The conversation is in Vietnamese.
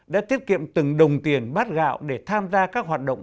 đã tiết kiệm từng đồng tiền bát gạo để tham gia các hoạt động